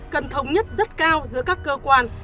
cần thống nhất rất cao giữa các cơ quan